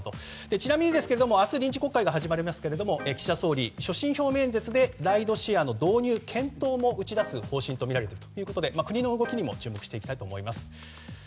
ちなみにですけれども明日臨時国会が始まりますけれども岸田総理所信表明演説でライドシェア導入の検討も打ち出す方針とみられているということで国の動きも注目していきたいと思います。